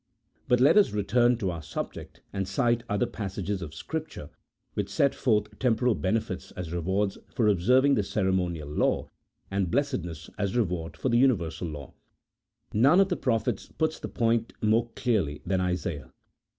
But let us return to our subject, and cite other passages of Scripture which set forth temporal benefits as rewards for observing the ceremonial law, and blessedness as reward for the universal law. None of the prophets puts the point more clearly than Isaiah.